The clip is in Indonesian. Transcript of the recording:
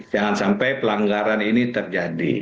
jangan sampai pelanggaran ini terjadi